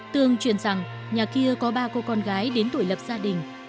tương truyền rằng nhà kia có ba cô con gái đến tuổi lập gia đình